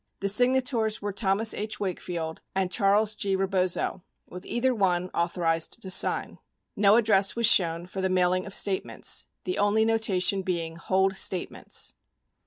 19 The signators were Thomas H. Wakefield and Charles G. Rebozo, 20 with either one authorized to sign. No address was shown for the mailing of statements — the only notation being "Hold Statements."